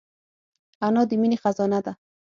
انا د مینې خزانه ده